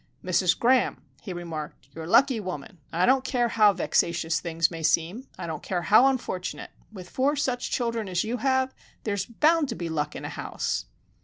"Mrs. Graham," he remarked, "you're a lucky woman. I don't care how vexatious things may seem, I don't care how unfortunate:—with four such children as you have, there's bound to be luck in a house!"